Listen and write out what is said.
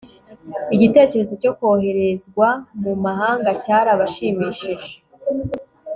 igitekerezo cyo koherezwa mu mahanga cyarabashimishije